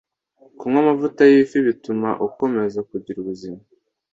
kunywa amavuta yʼifi bituma ukomeza kugira ubuzima